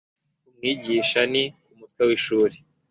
umwigisha ni, ku mutwe w'ishuri